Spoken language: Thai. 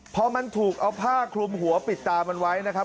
พอมันถูกเอาผ้าคลุมหัวปิดตามันไว้นะครับ